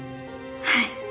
はい。